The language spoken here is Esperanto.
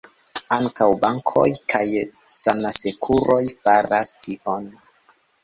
Ankaŭ bankoj kaj sanasekuroj faras tion.